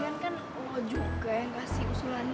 lagian kan lo juga yang kasih usulannya